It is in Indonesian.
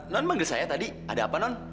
nond memang dengar saya tadi ada apa nond